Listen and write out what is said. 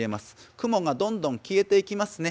雲がどんどん消えていきますね。